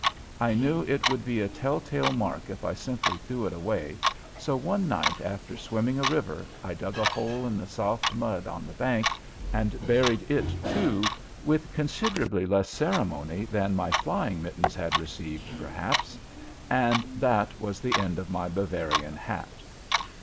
I knew that it would be a telltale mark if I simply threw it away, so one night after swimming a river I dug a hole in the soft mud on the bank and buried it, too, with considerably less ceremony than my flying mittens had received, perhaps; and that was the end of my Bavarian hat.